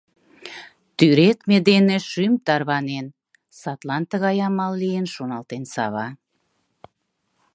— Тӱредме дене шӱм тарванен, садлан тыгай амал лийын, — шоналтен Сава.